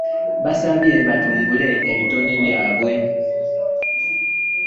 Abasabye batumbule ebitone byabwe